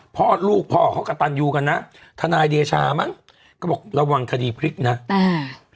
พ่อลูกพ่อเขากระตันยูกันนะทนายเดชามั้งก็บอกระวังคดีพลิกนะอ่า